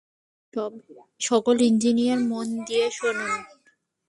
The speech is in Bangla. সকল ইঞ্জিনিয়ার, মন দিয়ে শুনুন।